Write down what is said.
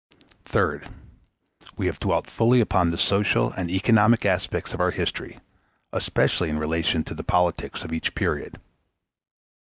Third. We have dwelt fully upon the social and economic aspects of our history, especially in relation to the politics of each period.